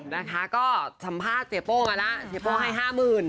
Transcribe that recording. แล้วก็สัมภาษณ์เสียโป้มาล่ะเสียโป้ให้ห้ามืน